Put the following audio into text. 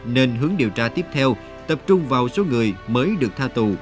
nên hướng điều tra tiếp theo tập trung vào số người mới được tha tù